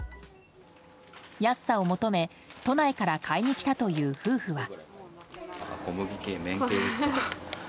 安さを求め、都内から買いに来たという夫婦は。